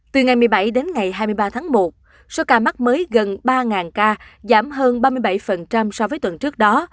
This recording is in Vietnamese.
từ ngày một mươi bảy đến ngày hai mươi ba tháng một số ca mắc mới gần ba ca giảm hơn ba mươi bảy so với tuần trước đó